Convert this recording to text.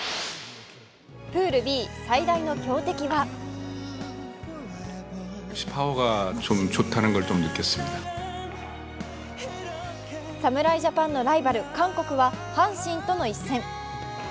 プールＢ最大の強敵は侍ジャパンのライバル・韓国は阪神との一戦。